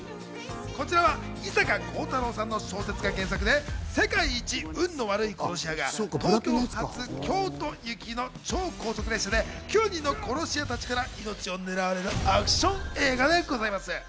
こちらは伊坂幸太郎さんの小説が原作で世界一、運の悪い殺し屋が東京発、京都行きの超高速列車で９人の殺し屋たちから命をねらわれるアクション映画でございます。